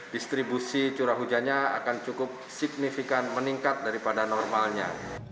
distribusi curah hujannya akan cukup signifikan meningkat daripada normalnya